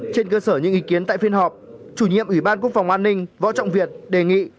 trên cơ sở những ý kiến tại phiên họp chủ nhiệm ủy ban quốc phòng an ninh võ trọng việt đề nghị